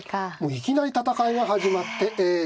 いきなり戦いが始まってええ。